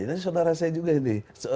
ini saudara saya juga ini